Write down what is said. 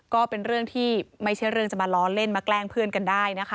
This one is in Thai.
ก็เป็นเรื่องที่ไม่ใช่เรื่องจะมาล้อเล่นมาแกล้งเพื่อนกันได้นะคะ